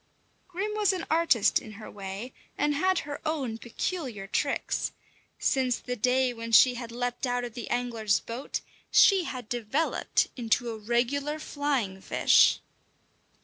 Grim was an artist in her way, and had her own peculiar tricks. Since the day when she had leapt out of the angler's boat, she had developed into a regular flying fish.